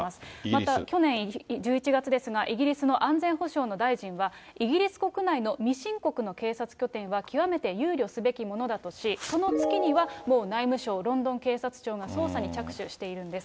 また去年１１月ですが、イギリスの安全保障の大臣は、イギリス国内の未申告の警察拠点は極めて憂慮すべきものだとし、その月には、もう内務省、ロンドン警察庁が捜査に着手しているんです。